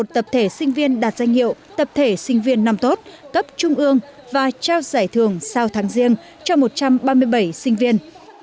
một mươi tập thể sinh viên đạt danh hiệu tập thể sinh viên năm tốt cấp trung ương và trao giải thưởng sau tháng riêng cho một trăm ba mươi bảy sinh viên